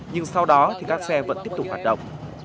nhưng sau đó thì các xe vẫn tiếp tục hoạt động